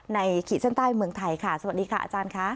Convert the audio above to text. ขีดเส้นใต้เมืองไทยค่ะสวัสดีค่ะอาจารย์ค่ะ